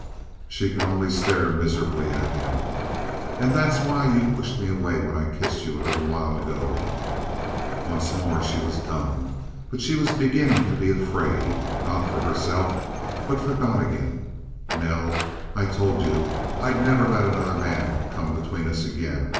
She could only stare miserably at him. "And that was why you pushed me away when I kissed you a little while ago?" Once more she was dumb. But she was beginning to be afraid. Not for herself, but for Donnegan. "Nell, I told you I'd never let another man come between us again.